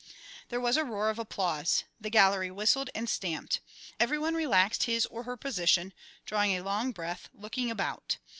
There was a roar of applause. The gallery whistled and stamped. Every one relaxed his or her position, drawing a long breath, looking about.